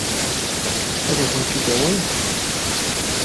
Ad kent-tent-id-awint?